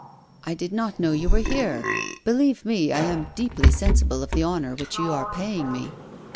I did not know you were here. Believe me, I am deeply sensible of the honor which you are paying me."